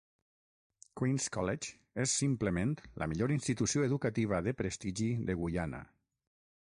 Queen's College és simplement la millor institució educativa de prestigi de Guyana.